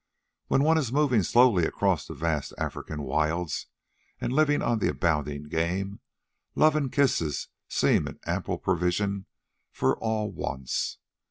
When one is moving slowly across the vast African wilds, and living on the abounding game, love and kisses seem an ample provision for all wants.